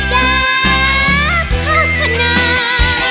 จับข้าข้าน้า